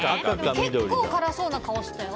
結構辛そうな顔してたよ。